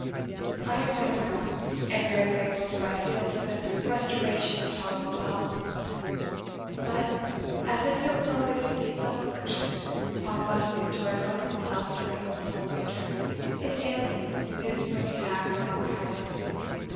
"I am better now; and very grateful do I feel for the restoration of tolerable health; but, as if there was always to be some affliction, papa, who enjoyed wonderful health during the whole winter, is ailing with his spring attack of bronchitis.